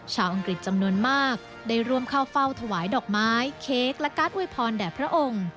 อังกฤษจำนวนมากได้ร่วมเข้าเฝ้าถวายดอกไม้เค้กและการ์ดอวยพรแด่พระองค์